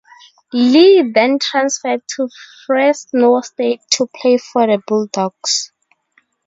Lee then transferred to Fresno State to play for the Bulldogs.